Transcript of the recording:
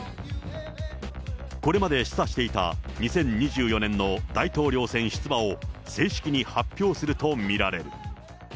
これまで示唆していた２０２４年の大統領選出馬を正式に発表すると見られる。